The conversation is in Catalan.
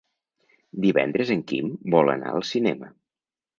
Divendres en Quim vol anar al cinema.